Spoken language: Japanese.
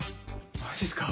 マジっすか？